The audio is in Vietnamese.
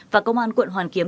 và công an quận hoàn kiếm